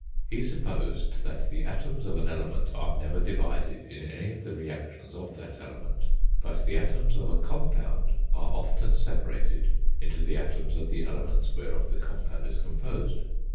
He supposed that the atoms of an element are never divided in any of the reactions of that element, but the atoms of a compound are often separated into the atoms of the elements whereof the compound is composed.